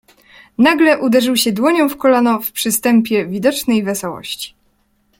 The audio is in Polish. "Nagle uderzył się dłonią w kolano, w przystępie widocznej wesołości."